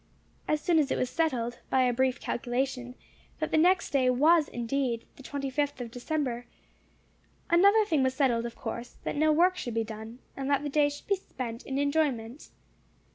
As soon as it was settled, by a brief calculation, that the next day was indeed the twenty fifth of December, another thing was settled, of course that no work should be done, and that the day should be spent in enjoyment.